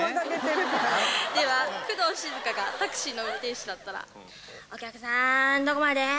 では工藤静香がタクシーの運転手だったらお客さんどこまで？